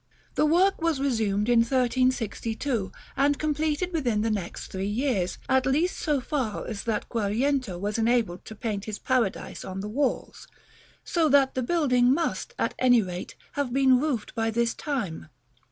The work was resumed in 1362, and completed within the next three years, at least so far as that Guariento was enabled to paint his Paradise on the walls; so that the building must, at any rate, have been roofed by this time.